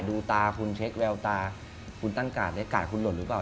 ดูตาคุณเช็คแววตาคุณตั้งกาดได้กาดคุณหล่นหรือเปล่า